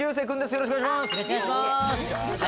よろしくお願いします。